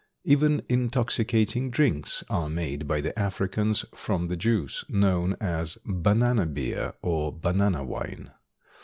Even intoxicating drinks are made by the Africans from the juice, known as "banana beer" and "banana wine."